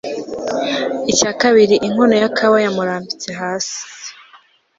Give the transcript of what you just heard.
icya kabiri inkono ya kawa yamurambitse hasi